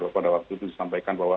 pak dopo dawa tudun disampaikan bahwa